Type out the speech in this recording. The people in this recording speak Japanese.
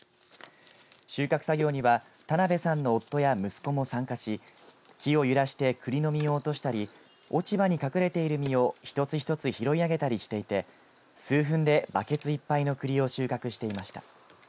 収穫作業には田辺さんの夫や息子も参加し木を揺らしてくりの実を落としたり落ち葉に隠れている実を一つ一つ拾い上げたりしていて数分で、バケツいっぱいのくりを収穫していました。